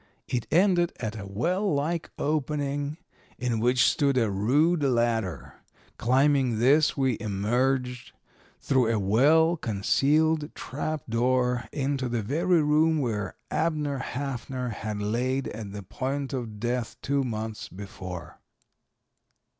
It ended at a well like opening in which stood a rude ladder, climbing this, we emerged through a well concealed trap door into the very room where Abner Haffner had laid at the point of death two months before."